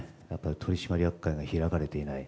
取締役会が開かれていない。